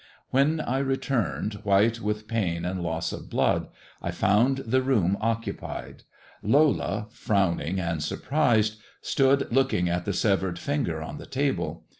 When I returned, white with pain and loss of blood, I found the room occupied. Lola, frowning and surprised, stood looking at the severed finger on the table.